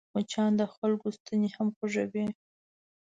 مچان د خلکو ستونی هم خوږوي